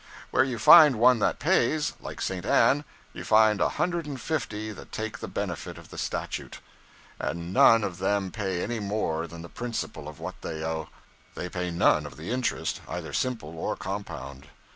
Where you find one that pays like St. Anne you find a hundred and fifty that take the benefit of the statute. And none of them pay any more than the principal of what they owe they pay none of the interest either simple or compound.